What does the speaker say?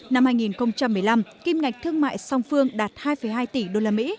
năm hai nghìn một mươi năm kim ngạch thương mại song phương đạt hai hai tỷ usd